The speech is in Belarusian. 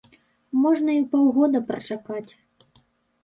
Можна і паўгода прачакаць!